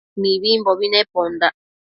Mibimbobi nicpondac